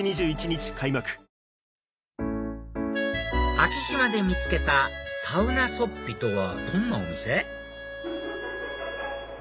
昭島で見つけたサウナソッピとはどんなお店？